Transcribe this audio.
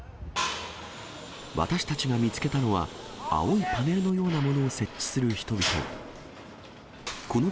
私たちが見つけたのは、青いパネルのようなものを設置する人々。